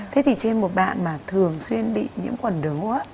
thế thì trên một bạn mà thường xuyên bị nhiễm khuẩn đứng